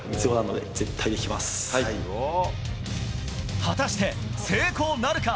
果たして、成功なるか。